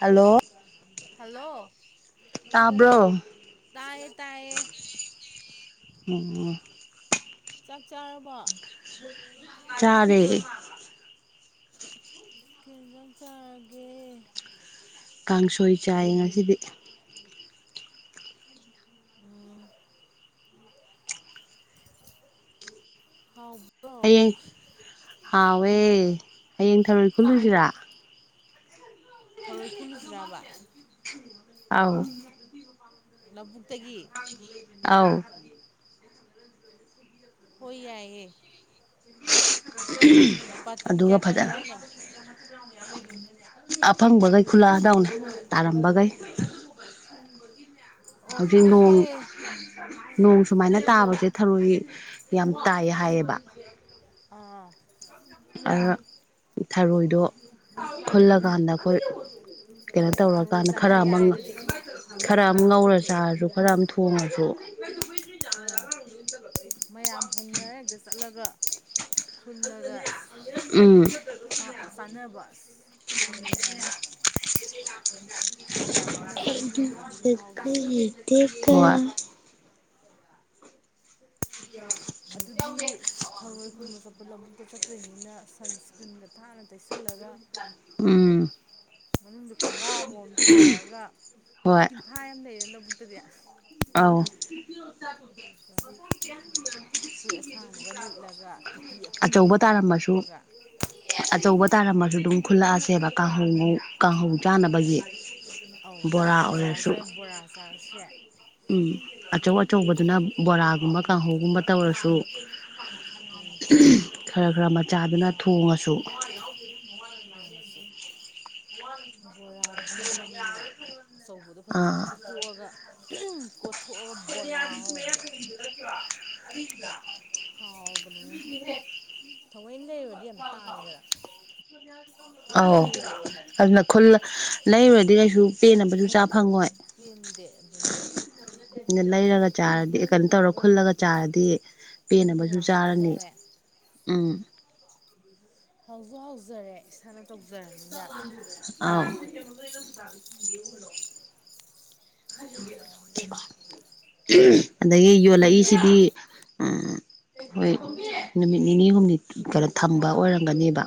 hello hello ꯇꯥꯕ꯭ꯔꯣ ꯇꯥꯏꯌꯦ ꯇꯥꯏꯌꯦ ꯑꯣ ꯆꯥꯛ ꯆꯥꯔꯕ ꯆꯔꯦ ꯈꯦꯟꯖ ꯆꯔꯒꯦ ꯀꯥꯡꯁꯣꯏ ꯆꯥꯏ ꯉꯁꯤꯗꯤ ꯎꯝ ꯎꯝ ꯍꯥꯎ ꯍꯌꯦꯡ ꯍꯥꯎꯋꯦ ꯍꯌꯦꯡ ꯊꯔꯣꯏ ꯈꯨꯜꯂꯨꯁꯤꯔ ꯊꯧꯔꯣꯏꯈ ꯂꯨꯖ꯭ꯔꯕ ꯑꯥꯎ ꯂꯧꯕꯕꯨꯨꯛꯇꯒꯤ ꯑꯥꯎ ꯍ ꯌꯥꯌꯦ ꯕꯥꯇꯤꯟ ꯑꯗꯨꯒ ꯀꯌꯥ ꯈꯨꯟꯖꯦ ꯐꯖꯅ ꯍꯥꯏꯅꯣ ꯑꯐꯪꯕꯈꯩ ꯈꯨꯜꯂꯛꯗꯎꯅꯦ ꯇꯥꯔꯝꯕꯈꯩ ꯍꯧꯖꯤꯛ ꯅꯣꯡ ꯑꯣꯈꯦ ꯅꯣꯡ ꯁꯨꯃꯥꯏꯅ ꯇꯥꯕꯁꯦ ꯊꯔꯣꯏ ꯌꯥꯝ ꯇꯥꯏ ꯍꯥꯏꯌꯦꯕ ꯑꯥ ꯊꯔꯣꯏꯗꯣ ꯈꯨꯜꯂꯀꯥꯟꯗ ꯑꯩꯈꯣꯏ ꯀꯩꯅꯣ ꯊꯔꯣꯏ ꯇꯧꯔꯀꯥꯟꯗ ꯈꯔ ꯆꯥꯅ ꯑꯃ ꯌꯥꯔꯦ ꯑꯗꯨꯗꯤ ꯈꯔ ꯑꯃ ꯉꯧꯔ ꯆꯥꯔꯁꯨ ꯈꯔ ꯑꯃ ꯊꯣꯡꯉꯁꯨ ꯑꯥ ꯃꯌꯥꯝ ꯍꯣꯡꯅꯔꯦ ꯍꯦꯛꯇ ꯆꯠꯂꯒ ꯈꯨꯜꯂꯒ ꯎꯝ ꯆꯥꯅꯕ ꯑꯗꯨꯃꯥꯏꯅ ꯎꯝ ꯃꯌꯥꯝ ꯄꯨꯟꯅ ꯆꯥꯃꯤꯟꯅꯕꯒꯤ ꯃꯍꯥꯎꯗꯨꯁꯨ ꯇꯀ ꯌꯥ ꯑꯗꯨꯗꯤ ꯁꯔꯣꯏ ꯈꯨꯟꯕ ꯆꯠꯄ ꯂꯧꯕꯨꯛꯇ ꯆꯠꯇꯣꯏꯅꯤꯅ ꯁꯟꯁꯀ꯭ꯔꯤꯟꯒ ꯊꯥꯅ ꯇꯩꯁꯜꯂꯒ ꯎꯝ ꯃꯅꯨꯡꯗ ꯈꯣꯡꯒ꯭ꯔꯥꯎ ꯑꯃꯃꯝ ꯊꯥꯔꯒ ꯇꯤꯝ ꯐꯥ ꯌꯥꯝ ꯂꯩꯔꯦ ꯂꯧꯕꯨꯛꯇꯗꯤ ꯑꯥꯎ ꯑꯗꯨꯁꯨꯅꯦ ꯐꯨꯔꯤ ꯑꯁꯥꯡꯕꯒ ꯂꯤꯠꯂꯒ ꯇꯨꯄꯤ ꯑꯐꯟ ꯌꯦ ꯑꯆꯧꯕ ꯑꯃ ꯑꯃꯨꯛ ꯇꯥꯔꯝꯃꯁꯨ ꯎꯞꯄꯒ ꯑꯆꯧꯕ ꯇꯥꯔꯝꯃꯁꯨ ꯑꯗꯨꯝ ꯈꯨꯜꯂꯛꯑꯁꯦꯕ ꯀꯥꯡꯍꯧꯉ ꯀꯥꯡꯍꯧ ꯆꯥꯅꯕꯒꯤ ꯑꯧ ꯕꯣꯔꯥ ꯀꯥꯡꯉꯧ ꯑꯣꯏꯔꯁꯨ ꯆꯥꯔꯁꯨꯦ ꯕꯣꯔꯥ ꯆꯥꯔꯁꯨꯏ ꯎꯝ ꯑꯆꯧ ꯑꯆꯧꯕꯗꯨꯅ ꯕꯣꯔꯥꯒꯨꯝꯕ ꯀꯥꯡꯍꯧꯒꯨꯝꯕ ꯇꯧꯔꯁꯨ ꯈꯔ ꯈꯔ ꯃꯆꯥꯗꯨꯅ ꯊꯣꯡꯉꯁꯨ ꯐꯦꯃꯁ ꯃ ꯑꯗꯨꯁꯅ ꯏꯉꯅꯦ ꯑꯆꯧꯕꯗꯣ ꯐꯖꯅ ꯑꯥ ꯐꯨꯠꯇꯣꯛꯑꯒ ꯀꯣꯊꯣꯛꯑꯒ ꯕꯣꯔꯥ ꯍꯧꯕꯗꯣ [inaudible] ꯍꯥꯎꯕꯅꯤ ꯊꯑꯣꯏꯅ ꯂꯩꯗꯤ ꯌꯥꯝ ꯇꯥꯡꯉꯤꯗꯅ ꯑꯥꯎ ꯑꯗꯨꯅ ꯈꯨꯜ ꯂꯩꯔꯨꯔꯗꯤ ꯀꯩꯁꯨ ꯄꯦꯟꯅꯕꯁꯨ ꯆꯥ ꯐꯪꯉꯣꯏ ꯌꯦꯟꯗꯦ ꯑꯗꯨꯅꯦ ꯂꯩꯔꯒ ꯆꯥꯔꯗꯤ ꯀꯩꯅꯣ ꯇꯧꯔ ꯈꯨꯜꯂꯒ ꯆꯥꯔꯗꯤ ꯄꯦꯟꯅꯕꯁꯨ ꯄꯦꯟꯅꯁꯨ ꯆꯥꯔꯅꯤ ꯆꯥꯖꯔꯦ ꯎꯝ ꯍꯧꯁꯨꯣ ꯍꯧꯖꯔꯦ ꯏꯁꯅ ꯑ [inaudible] ꯑꯗꯒꯤ ꯌꯣꯜꯂꯛꯏꯁꯤꯗꯤ ꯍꯣꯏ ꯅꯨꯃꯤꯠ ꯅꯤꯅꯤ ꯍꯨꯝꯅꯤ ꯀꯩꯅꯣ ꯊꯝꯕ ꯑꯣꯏꯔꯝꯒꯅꯦꯕ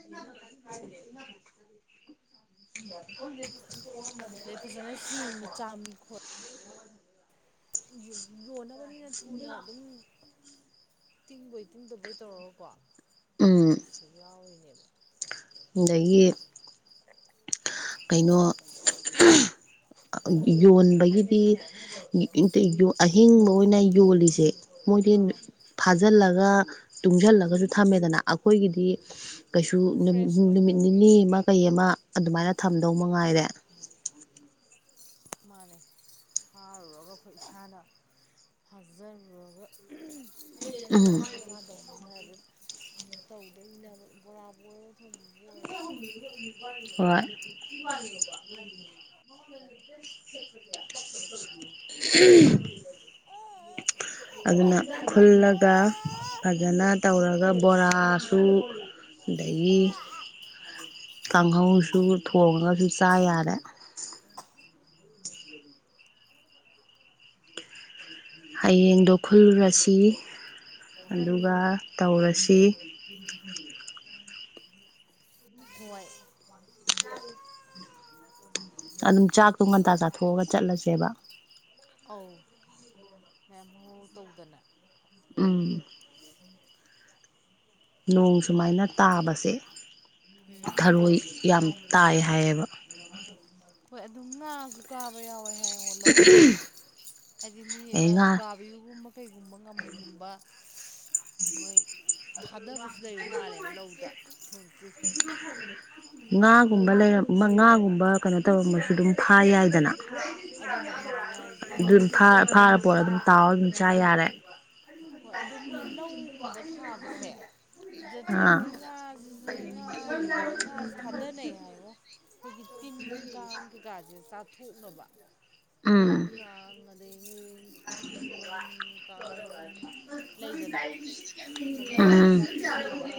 [inaudible] [unintelligible] ꯑꯗꯩ ꯐꯖꯅ ꯁꯦꯡꯅ ꯆꯥꯝꯃꯤ ꯈꯣꯠꯂꯤ ꯌꯣꯟꯅꯕꯅꯤꯅ ꯊꯨꯅ ꯑꯗꯨꯝ ꯇꯤꯡꯕꯣꯏ ꯇꯤꯡꯗꯕꯣꯏ ꯇꯧꯔꯒꯀꯣ ꯎꯝ ꯌꯜꯂꯛꯄꯁꯨ ꯌꯥꯎꯔꯤꯅꯦꯕ ꯑꯗꯒꯤ ꯀꯩꯅꯣ ꯌꯣꯟꯕꯒꯤꯗꯤ ꯑꯍꯤꯡꯕ ꯑꯣꯏꯅ ꯌꯣꯜꯂꯤꯁꯦ ꯃꯣꯏꯗꯤ ꯑꯥ ꯐꯥꯖꯤꯜꯂꯒ ꯇꯨꯡꯁꯤꯜꯂꯒꯁꯨ ꯊꯝꯃꯦꯗꯅ ꯑꯩꯈꯣꯏꯒꯤꯗꯤ ꯀꯩꯁꯨ ꯐ꯭ꯔꯦꯁ ꯑꯣꯏꯅ ꯅꯨꯃꯤꯠ ꯅꯤꯅꯤ ꯑꯃ ꯀꯩ ꯑꯃ ꯑꯗꯨꯃꯥꯏꯅ ꯊꯝꯗꯧ ꯃꯉꯥꯏꯔꯦ ꯃꯥꯥꯟꯅꯩ ꯐꯔꯨꯔꯒ ꯑꯩꯈꯣꯏ ꯏꯁꯥꯅ ꯐꯖꯔꯕ ꯎꯝ ꯊꯣꯡꯉ ꯆꯥꯗꯧꯅꯤꯅ ꯑꯗꯨ ꯇꯧꯗꯣꯏꯅꯦ ꯕꯣꯔꯥ ꯕꯣꯔꯥ ꯍꯣ [unintelligible] ꯑꯗꯨꯅ ꯈꯨꯜꯂꯒ ꯐꯖꯅ ꯇꯧꯔꯒ ꯕꯣꯔꯥꯁꯨ ꯑꯗꯒꯤ ꯀꯥꯡꯍꯧꯁꯨ ꯊꯣꯡꯉꯒꯁꯨ ꯆꯥ ꯌꯥꯔꯦ ꯍꯌꯦꯡꯗꯣ ꯈꯨꯜꯂꯨꯔꯁꯤ ꯑꯗꯨꯒ ꯇꯧꯔꯁꯤ 'unintelligible' ꯍꯅꯨꯡꯏ ꯌꯥ ꯑꯗꯨꯝ ꯆꯥꯛꯇꯣ ꯉꯟꯇꯥ ꯆꯥꯊꯣꯛꯑꯒ ꯆꯠꯂꯁꯦꯕ ꯑꯧ ꯃꯌꯥꯝꯃꯨ ꯇꯧꯗꯅ ꯎꯝ ꯅꯣꯡ ꯁꯨꯃꯥꯏꯅ ꯇꯥꯕꯁꯦ ꯎꯝ ꯊꯔꯣꯏ ꯌꯥꯝ ꯇꯥꯏ ꯍꯥꯏꯌꯦꯕ ꯍꯣꯏ ꯑꯗꯨꯝ ꯉꯥꯁꯨ ꯀꯥꯕ ꯌꯥꯎꯋꯦ ꯍꯥꯏꯉꯣ ꯂꯧꯗ ꯍꯥꯏꯗꯤ ꯃꯤ ꯑꯦ ꯉꯥ ꯎꯀꯥ ꯕꯌꯨꯒꯨꯝꯕ ꯀꯩꯒꯨꯝꯕ ꯉꯥꯃꯨꯒꯨꯝꯕ ꯃꯣꯏ ꯊꯥꯗꯕꯁꯨ ꯂꯩꯕ ꯃꯥꯜꯂꯦꯕ ꯂꯧꯗ ꯊꯋꫭꯟꯀꯩ ꯉꯥꯒꯨꯝꯕ ꯂꯩꯔ ꯉꯥꯒꯨꯝꯕ ꯀꯩꯅꯣ ꯇꯧꯔꯝꯃꯁꯨ ꯑꯗꯨꯝ ꯐꯥ ꯌꯥꯏꯗꯅ ꯑꯗꯨꯅꯦ ꯑꯗꯨ ꯍꯥꯏꯁꯦ ꯑꯗꯨꯝ ꯐꯥꯔ ꯐꯥꯔ ꯄꯨꯔꯛꯑꯒꯥ ꯑꯗꯨꯝ ꯇꯥꯎꯔ ꯑꯗꯨꯝ ꯆꯥ ꯌꯥꯔꯦ ꯍꯣꯏ ꯑꯗꯣ ꯃꯣꯏ ꯂꯧꯒꯨꯝꯕ ꯊꯥꯕꯁꯦ ꯑꯗꯥ ꯑꯥ ꯊꯣꯏꯒꯤ ꯉꯥꯁꯤꯁꯨ ꯉꯥ ꯉꯥꯁꯨ ꯊꯥꯗꯅꯩ ꯍꯥꯏꯉꫭ ꯑꯩꯈꯣꯏꯒꯤ ꯇꯤꯟ ꯀꯥꯡ ꯀꯩꯀꯥꯁꯦ ꯆꯥꯊꯣꯛꯅꯕ ꯇꯤꯟ ꯎꯝ ꯀꯥꯡ ꯑꯗꯩꯒꯤ ꯇꯤꯟ ꯃꯔꯨꯝ ꯀꯥꯡ ꯃꯔꯨꯝ ꯂꯩꯗꯅ ꯁꯒꯨꯝꯕ ꯃꯌꯥꯝꯁꯦ ꯎꯝ ꯀꯥꯊꯣꯛꯅꯕ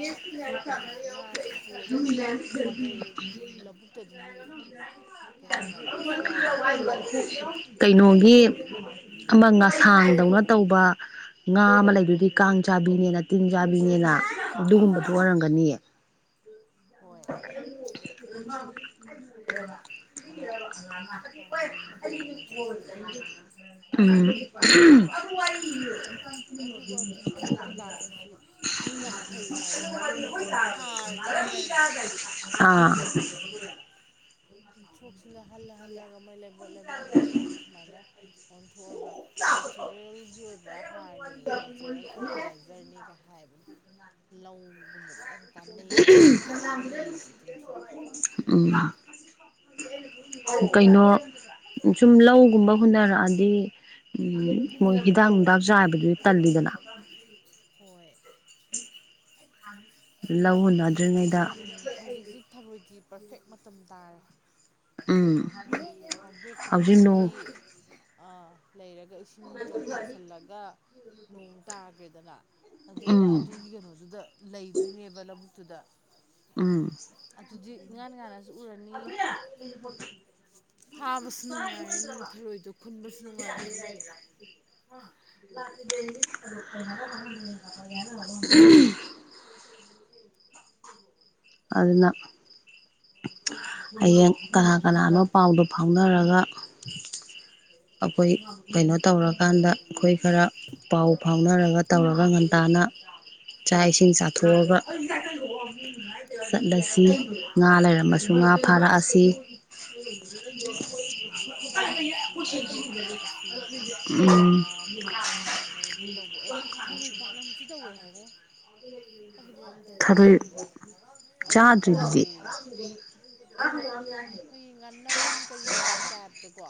ꯉꯥꯁꯤꯁꯨ ꯑꯗꯨꯝ ꯊꯥꯗꯩꯑ ꯂꯧꯕꯨꯛꯇ ꯑꯗꯨꯝ ꯀꯩ ꯍꯥꯏꯅꯤ ꯌꯣꯛꯄꯁꯨ ꯌꯥꯎꯋꯦ ꯍꯥꯏꯌꯦꯕ ꯀꯩꯅꯣꯒꯤ ꯑꯃ ꯉꯁꯥꯡꯗꯧꯅ ꯇꯧꯕ ꯉꯥ ꯑꯃ ꯂꯩꯗꯨꯗꯤ ꯀꯥꯡ ꯆꯥꯕꯤꯅꯦꯅ ꯇꯤꯡ ꯆꯥꯕꯤꯅꯦꯅ ꯑꯥ ꯑꯗꯨꯒꯨꯝꯕꯗꯨ ꯑꯣꯏꯔꯝꯒꯅꯤꯌꯦ ꯍꯣꯏ ꯀꯥꯡ [unintelligible] ꯃꯔꯨꯝ ꯇꯤꯟ ꯃꯔꯨꯝ ꯆꯥꯊꯣꯛꯄꯤ ꯎꯝ ꯑꯗꯨꯒ ꯇꯤꯟꯊ꯭ꯔꯣꯛ ꯀꯩꯀꯥꯁꯤꯁꯨ ꯌꯥꯝ ꯐꯩ ꯍꯥꯏꯌꯦ [unintelligible] ꯍꯥꯔꯅꯦ ꯍꯥꯏꯗꯥꯏꯅꯦ ꯑꯥ [unintelligible] ꯇꯤꯟꯊꫭꯛꯁꯤꯅ ꯍꯜꯂ ꯍꯜꯂꯒ ꯃꫭꯏ ꯂꯩꯕꯣꯠ ꯂꯩꯕꯥꯛ ꯃꯅꯨꯡꯗꯗꯨ ꯁꯨꯃꯥꯏꯅ ꯑꯣꯟꯊꯣꯛꯑꯒ ꯅꯦꯆꯔꯦꯜꯒꯤ ꯑꯣꯏꯕ ꯍꯥꯔꯅꯤ ꯅꯦꯆꯔꯦꯜ ꯐꯔꯇꯤꯂꯥꯏꯖꯔꯅꯤꯒ ꯍꯥꯏꯕꯅꯤ ꯂꯧꯒꯨꯝꯕꯗꯗꯤ ꯌꯥꯝ ꯀꯥꯟꯅꯩ ꯀꯥꯏꯅ ꯂꯧꯕꯨꯛꯇꯒ ꯂꯩꯔꯤꯁꯤ ꯇꯤꯟꯊꫭꯛ ꯎꯝ ꯀꯩꯅꯣ ꯁꯨꯝ ꯂꯧꯒꯨꯝꯕ ꯍꯨꯟꯅꯔꯛꯑꯗꯤ ꯃꯣꯏ ꯍꯤꯗꯥꯛ ꯅꯨꯡꯗꯥꯛ ꯆꯥꯥꯏꯕꯗꯨꯗꯤ ꯇꯜꯂꯤꯗꯅ ꯍꯣꯏ [unintelligible] ꯂꯧ ꯑꯗꯨꯅ ꯍꯧꯖꯤꯛꯇꯤ ꯍꯨꯟꯅꯗ꯭ꯔꯤꯉꯩꯗ ꯎꯝ ꯍꯧꯖꯤꯛꯁꯤ ꯊꯔꯣꯏꯒꯨ ꯄꯔꯐꯦꯛ ꯃꯇꯝ ꯇꯥꯔꯦ ꯎꯝ ꯍꯧꯖꯤꯛ ꯅꯣꯡ ꯐꯥꯎꯗꯣꯛꯈꯤꯕꯒꯤ ꯑꯥ ꯂꯩꯔꯒ ꯏꯁꯤꯡ ꯆꯣ ꯇꯥꯁꯜꯂꯒ ꯅꯣꯡ ꯇꯥꯈ꯭ꯔꯦꯗꯅ ꯑꯗꯨꯒ ꯎꯝ ꯑꯗꯨꯒꯤ ꯀꯩꯅꯣꯗꯨꯗ ꯂꯩꯗꯣꯏꯅꯦꯕ ꯂꯧꯕꯨꯛꯇꯨꯗ ꯎꯝ ꯑꯗꯨꯗꯤ ꯏꯉꯥꯟ ꯉꯥꯟꯅꯁꯨ ꯎꯔꯅꯤ [unintelligible] ꯐꯥꯕꯁꯨ ꯅꯨꯡꯉꯥꯏꯔꯅꯤ ꯊꯔꯣꯏꯗꯣ ꯈꯨꯟꯕꯁꯨ ꯅꯨꯡꯉꯥꯏꯔꯅꯤ [unintelligible] ꯑꯗꯨꯅ ꯍꯌꯦꯡ ꯀꯅꯥ ꯀꯅꯥꯅꯣ ꯄꯥꯎꯗꯣ ꯐꯥꯎꯅꯔꯒ ꯑꯩꯈꯣꯏ ꯀꯩꯅꯣ ꯇꯧꯔꯀꯥꯟꯗ ꯑꯩꯈꯣꯏ ꯈꯔ ꯄꯥꯎ ꯐꯥꯎꯅꯔꯒ ꯇꯧꯔꯒ ꯉꯟꯇꯥꯅ ꯆꯥꯛ ꯏꯁꯤꯡ ꯆꯥꯊꯣꯛꯑꯒ [unintelligible] ꯆꯠꯂꯥꯁꯤ ꯉꯥ ꯂꯩꯔꯝꯃꯁꯨ ꯉꯥ ꯐꯥꯔꯛꯑꯁꯤ [inaudible] ꯑꯗꯥꯒꯤ ꯊꯔꯣꯏꯁꯨ ꯃꯌꯥꯝ ꯈꯨꯜꯂꯛ ꯑꯁꯤ ꯎꯝ ꯕꯣꯔꯥꯕꯨ ꯍꯧꯕꯔꫭ ꯀꯥꯡꯍꯧꯕꯨ ꯇꯧꯕꯥꯋꯦ ꯑꯦ ꯊꯔꯣꯏ ꯄꯥꯛꯅꯝꯁꯨ ꯇꯧꯋꯦ ꯍꯥꯏꯉꫭ ꯍꯥꯏꯕꯗꯣ ꯑꯝꯇ ꯊꯔꯣꯏ ꯆꯥꯗ꯭ꯔꯤꯕ ꯑꯗꯨ ꯌꯥꯝ ꯆꯥꯗ꯭ꯔꯤꯗꯨꯗꯤ ꯍꯥꯎꯋꯦꯌꯦ ꯑꯩꯈꯣꯏꯒꯤ ꯉꯅꯝ ꯀꯔꯤ ꯀꯔꯥꯒꯤ ꯇꯥꯏꯞꯇꯀꯣ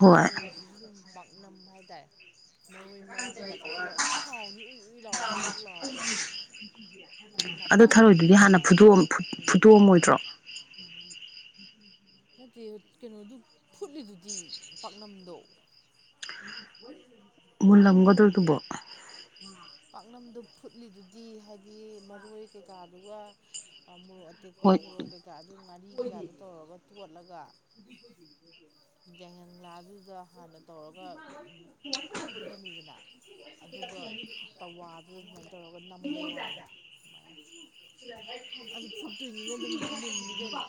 ꯍꯣꯏ ꯊꯔꯣꯏꯁꯤꯁꯨ ꯑꯗꯨꯝ ꯄꯥꯛꯅꯝ ꯍꯥꯏꯇꯥꯔꯦ ꯃꯔꯣꯏ ꯃꯔꯥꯡ ꯀꯩꯀꯥ ꯊꯛꯆꯜꯂꯒ ꯑꯗꯨꯝ ꯍꯥꯎꯅꯤ ꯎꯏ ꯎꯏ ꯂꯥꯎꯔ ꯆꯛ ꯆꯛ ꯂꯥꯎꯔꯒ ꯑꯗꯣ ꯅꯄꯥꯛꯄꯤꯗ ꯊꯔꯣꯏꯗꯨꯗꯤ ꯍꯥꯟꯅ ꯐꯨꯑ ꯐꯨꯠꯇꯣꯛꯑꯝꯃꯣꯏꯗ꯭ꯔꯣ ꯅꯠꯇꯦ ꯀꯩꯅꯣꯗꯨ ꯐꯨꯠꯂꯤꯗꯨꯗꯤ ꯄꯥꯛꯅꯝꯗꯣ ꯃꯨꯜꯂꯝꯒꯗ꯭ꯔꯣ ꯑꯗꯨꯕꯣ ꯄꯥꯛꯅꯝꯗꯨ ꯐꯨꯠꯂꯤꯗꯨꯗꯤ ꯍꯥꯏꯗꯤ ꯃꯔꯣꯏ ꯀꯩꯀꯥꯗꯨꯒ ꯃꯣꯔꯣꯛ ꯇꯦꯛꯄ ꯍꯣꯏ ꯃꯣꯔꯣꯛ ꯀꯩꯀꯥ ꯑꯗꯨ ꯉꯥꯔꯤ ꯀꯩꯀꯥꯗꯣ ꯇꯧꯔꯒ ꯇꯣꯠꯂꯒ ꯌꯥꯏꯉꯪꯂꯥꯗꯨꯗ ꯍꯥꯟꯅ ꯇꯧꯔꯒ ꯎꯝ ꯐꯨꯠꯂꯅꯤꯗꯅ ꯑꯗꯨꯒ ꯇꯋꯥꯗꯨꯗ ꯇꯧꯔꯒ ꯅꯝꯕꯩ ꯋꯥꯅꯤꯗ ꯁꯨꯃꯥꯏꯅ ꯑꯗꯨ ꯐꯨꯠꯇꯣꯏꯅꯤꯅ ꯑꯗꯨꯝ ꯃꯨꯟꯅꯤ ꯀꯩꯅꯣ [inaudible] [inaudible]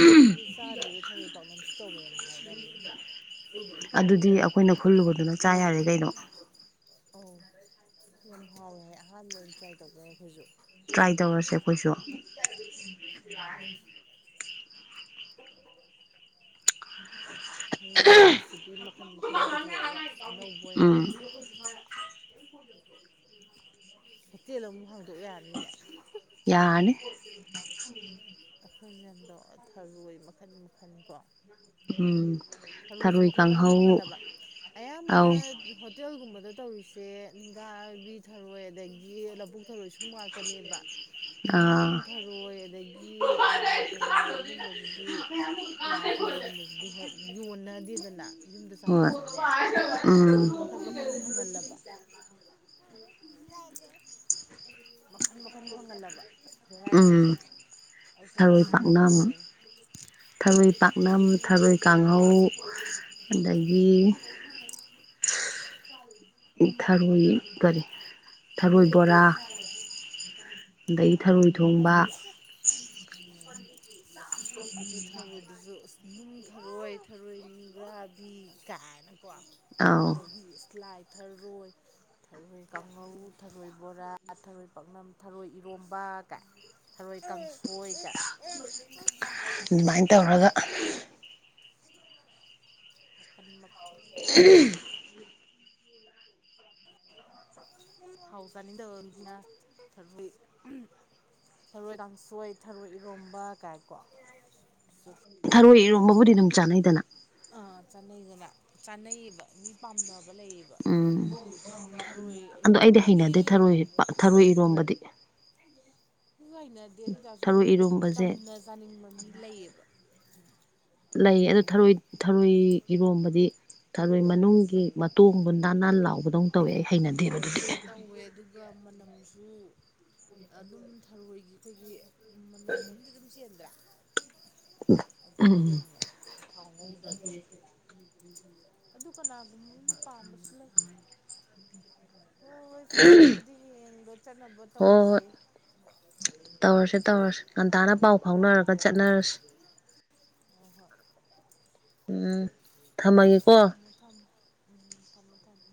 ꯑꯝꯇꯕꯨꯗꯤ ꯆꯥꯗ꯭ꯔꯤꯗꯣ ꯊꯔꯣꯏ ꯄꯥꯛꯅꯝꯁꯨ ꯇꯧꯋꯦꯅ ꯍꯥꯏꯅꯕꯅꯤ ꯑꯗꯨꯗꯤ ꯑꯈꯣꯏꯅ ꯈꯨꯜꯂꯨꯕꯗꯨꯅ ꯆꯥ ꯌꯥꯔꯦ ꯀꯩꯅꯣ ꯑꯧ ꯌꯥꯝ ꯍꯥꯎꯋꯦ ꯍꯥꯏ ꯑꯍꯥꯟꯕ ꯑꯣꯏꯅ ꯇ꯭ꯔꯥꯏ ꯇꯧꯕ ꯌꯥꯏ ꯑꯈꯣꯏꯖꯨ ꯇ꯭ꯔꯥꯏ ꯇꯧꯔꯁꯦ ꯑꯩꯈꯣꯏꯁꯨ [unintelligible] [inaudible] ꯊꯔꯣꯏꯒꯤ ꯔꯤꯁꯤꯄꯤ ꯃꯈꯟ ꯃꯈꯟ ꯄꯨꯊꯣꯛꯑꯒ ꯑꯁ‌ ꯑꯅꯧꯕ ꯑꯣꯏꯅ ꯎꯝ ꯍꯣꯇꯦꯜ ꯑꯃꯨꯛ ꯍꯥꯡꯗꯣꯛ ꯌꯥꯅꯤꯅꯦ ꯌꯥꯔꯅꯤ ꯑꯩꯈꯣꯏ ꯃꯌꯥꯝꯗꯣ ꯊꯔꯣꯏ ꯃꯈꯟ ꯃꯈꯜ ꯀꯣ [inaudible] ꯎꯝ ꯊꯔꯣꯖꯨ ꯊꯔꯣꯏ ꯃꯈꯟ ꯃꯈꯟ ꯀꯥꯡꯍꯧ ꯐꯪꯍꯜꯂꯕ ꯑꯌꯥꯝꯕꯅ ꯑꯧ ꯍꯣꯠ ꯍꯣꯇꯦꯜꯒꯨꯝꯕꯗ ꯇꯧꯔꯤꯁꯦ ꯅꯤꯡꯒꯥꯕꯤ ꯊꯔꯣꯏ ꯑꯗꯥꯒꯤ ꯂꯕꯨꯨꯛ ꯊꯔꯣꯏꯁꯨꯝ ꯉꯥꯛꯇꯅꯦꯕ ꯂꯩꯅꯨꯡ ꯑꯥ ꯊꯔꯣꯏ ꯑꯗꯒꯤ ꯑꯥ ꯀꯩꯅꯣꯒꯨꯝꯕꯖꯤꯗꯤ ꯂꯥꯏ ꯊꯔꯣꯏꯒꯨꯝꯕꯖꯤꯗꯤ ꯍꯣꯠ ꯌꯣꯟꯅꯗꯦꯗꯅ ꯌꯨꯝꯗ ꯆꯥꯕꯗꯤ ꯍꯣꯏ ꯆꯠꯅꯩ ꯑꯩꯈꯣꯏꯖꯨ ꯎꯝ ꯃꯈꯜ ꯃꯈꯜ ꯐꯪꯍꯜꯂꯕ ꯃꯈꯜ ꯃꯈꯜ ꯐꯪꯍꯜꯂꯕ ꯑꯁ ꯚꯦꯔꯥꯏꯇꯤꯖꯦ ꯎꯝ ꯑꯗꯣ ꯊꯔꯣꯏ ꯁꯤꯠꯇꯧ ꯄꯥꯛꯅꯝ ꯃꯥꯜꯂꯤ ꯊꯔꯣꯏ ꯄꯥꯛꯅꯝ ꯊꯔꯣꯏ ꯀꯥꯡꯍꯧ ꯑꯗꯒꯤ ꯊꯔꯣꯏ ꯀꯔꯤ ꯊꯔꯣꯏ ꯕꯣꯔꯥ ꯑꯗꯒꯤ ꯊꯔꯣꯏ ꯊꯣꯡꯕ ꯎꯝ ꯑꯗꯨ ꯊꯔꯣꯏꯗꯨꯖꯨ ꯑꯁ ꯅꯨꯡ ꯊꯔꯣꯏ ꯊꯔꯣꯏ ꯅꯨꯡꯒꯥꯕꯤ ꯀꯥꯏꯅ ꯀꯣ ꯑꯥꯎ ꯑꯗꯒꯤ ꯂꯥꯏ ꯊꯔꯣꯏ ꯊꯔꯣꯏ ꯀꯥꯡꯉꯧ ꯊꯔꯣꯏ ꯕꯣꯔꯥ ꯊꯔꯣꯏ ꯄꯥꯛꯅꯝ ꯊꯔꯣꯏ ꯏꯔꯣꯝꯕ ꯀꯥꯏ ꯊꯔꯣꯏ ꯀꯥꯡꯁꯣꯏꯒ ꯑꯗꯨꯃꯥꯏꯅ ꯇꯧꯔꯒ ꯃꯈꯟ ꯃꯛ ꯎꯝ ꯊꯥꯎ ꯆꯥꯅꯤꯡꯗꯕꯃꯤꯅ ꯊꯔꯣ ꯊꯔꯣꯏ ꯀꯥꯡꯁꯣꯏ ꯊꯔꯣꯏ ꯏꯔꯣꯝꯕ ꯀꯥꯏꯀꯣ ꯁꯨ ꯊꯔꯣꯏ ꯏꯔꯣꯟꯕꯕꯨꯗꯤ ꯑꯗꯨꯝ ꯆꯥꯅꯩꯗꯅ ꯑ ꯆꯥꯅꯩꯗꯅ ꯆꯥꯅꯩꯌꯦꯕ ꯃꯤ ꯄꯥꯝꯅꯕ ꯂꯩꯌꯦꯕ ꯎꯝ ꯑꯗꯩ ꯊꯔꯣꯏ ꯑꯗꯣ ꯁꯨꯝ ꯑꯩꯗꯤ ꯍꯥꯏꯗꯤ ꯍꯩꯅꯗꯦ ꯊꯔꯣꯏ ꯊꯔꯣꯏ ꯏꯔꯣꯝꯕꯗꯤ ꯑꯈꯣꯏꯖꯨ ꯍꯩꯅꯗꯦ ꯑꯗꯣꯏꯇꯥꯔꯁꯨ ꯃꯤ ꯊꯔꯣꯏ ꯏꯔꯣꯝꯕꯁꯦ ꯆꯝꯅ ꯆꯥꯅꯤꯡꯕ ꯃꯤ ꯂꯩꯌꯦꯕ ꯂꯩ ꯑꯗꯨ ꯊꯔꯣꯏ ꯊꯔꯣꯏ ꯏꯔꯣꯝꯕꯗꯤ ꯊꯔꯣꯏ ꯃꯅꯨꯡꯒꯤ ꯃꯇꯣꯡꯗꯣ ꯅꯥ ꯅꯥꯟ ꯂꯥꯎꯕꯗꯧꯅ ꯇꯧꯋꯦ ꯑꯩ ꯍꯩꯅꯗꯦꯕ ꯑꯗꯨꯗꯤ ꯇꯧꯋꯦ ꯑꯗꯨꯒ ꯃꯅꯝꯖꯨ ꯑꯗꯨꯝ ꯊꯔꯣꯏꯒꯤ ꯑꯩꯈꯣꯏꯒꯤ ꯎꯝ ꯃꯅꯝ ꯑꯃꯗꯤ ꯑꯗꯨꯝ ꯆꯦꯟꯗ꯭ꯔꯥ ꯑꯗꯨꯝ ꯆꯦꯟꯕ ꯊꯥꯎ ꯉꯧꯗ꯭ꯔꯗꯤ ꯑꯗꯨ ꯀꯅꯥꯒꯨꯝꯕꯅ ꯄꯥꯝꯕꯁꯨ ꯂꯩ ꯍꯣꯏ ꯍꯣꯏ ꯐꯔꯦ ꯑꯗꯨꯗꯤ ꯍꯌꯦꯡꯗꯣ ꯆꯠꯅꯕ ꯍꯣꯏ ꯍꯣꯏ ꯇꯧꯔꯁꯤ ꯇꯧꯔꯁꯦ ꯇꯧꯔꯁꯦ ꯉꯟꯇꯥꯅ ꯄꯥꯎ ꯐꯥꯎꯅꯔꯒ ꯆꯠꯅꯔꯁꯤ ꯍꯣꯏ ꯍꯣꯏ ꯎꯝ ꯊꯝꯃꯒꯦꯀꯣ ꯊꯝꯃꯣ ꯊꯝꯃꯣ ꯎꯝ ꯊꯝꯃꯣ ꯊꯝꯃꯣ